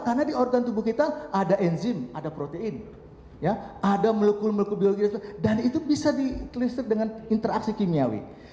karena di organ tubuh kita ada enzim ada protein ada molekul molekul biologi dan itu bisa diklistir dengan interaksi kimiawi